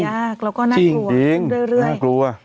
แล้วก็น่ากลัวจริงน่ากลัว